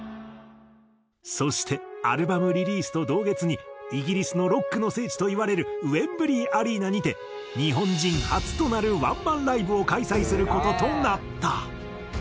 そしてアルバムリリースと同月にイギリスのロックの聖地といわれるウェンブリーアリーナにて日本人初となるワンマンライブを開催する事となった。